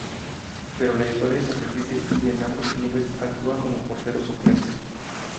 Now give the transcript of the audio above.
Pero la historia se repite y en ambos clubes actúa como portero suplente.